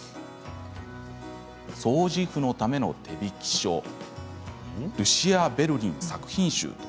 「掃除婦のための手引き書ルシア・ベルリン作品集」。